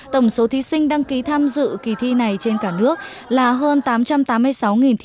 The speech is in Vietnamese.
tổng số thí sinh đăng ký tham dự kỳ thi này trên cả nước là hơn tám trăm tám mươi sáu thí sinh